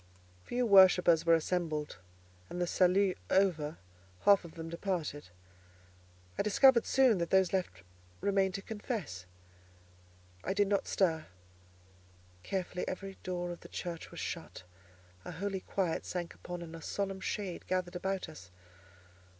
Few worshippers were assembled, and, the salut over, half of them departed. I discovered soon that those left remained to confess. I did not stir. Carefully every door of the church was shut; a holy quiet sank upon, and a solemn shade gathered about us.